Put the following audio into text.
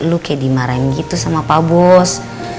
lu kayak dimarahin gitu sama pak bos